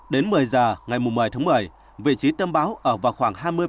đến một mươi giờ ngày một mươi một mươi vị trí tâm báo ở vào khoảng